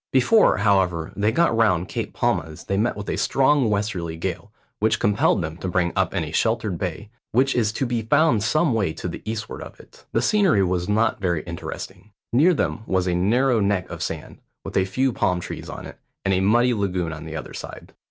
Before, however, they got round Cape Palmas they met with a strong westerly gale, which compelled them to bring up in a sheltered bay, which is to be found some way to the eastward of it. The scenery was not very interesting. Near them was a narrow neck of sand, with a few palm trees on it, and a muddy lagoon on the other side.